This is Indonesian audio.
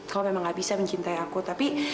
kau memang gak bisa mencintai aku tapi